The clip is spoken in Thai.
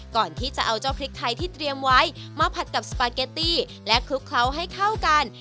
ก่อนที่จะเอาเจ้าพริกไทยที่เตรียมไว้มาผัดกับสปาเกตตี้และคลุกเคล้าให้เข้ากัน